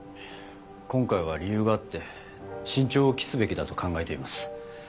今回は理由があって慎重を期すべきだと考えています。